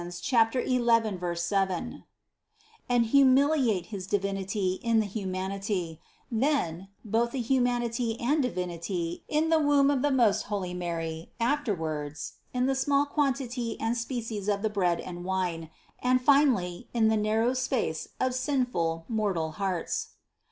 11, 7) and humiliate his Divinity in the humanity, then, both humanity and Divinity, in the womb THE CONCEPTION 71 of the most holy Mary, afterwards, in the small quantity and species of the bread and wine, and finally, in the nar row space of sinful, mortal hearts.